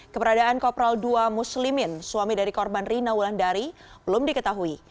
keberadaan kopral ii muslimin suami dari korban rina wulandari belum diketahui